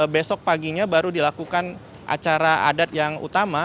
besok paginya baru dilakukan acara adat yang utama